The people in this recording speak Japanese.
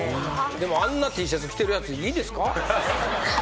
でもあんなＴシャツ着てるやついいですか？